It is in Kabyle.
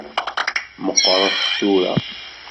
Meqqreḍ tura.